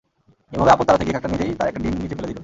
এভাবে আপদ তাড়াতে গিয়ে কাকটা নিজেই তার একটা ডিম নিচে ফেলে দিল।